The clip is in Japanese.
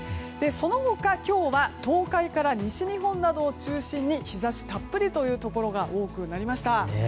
その他、今日は東海から西日本などを中心に日差したっぷりというところが多くなりました。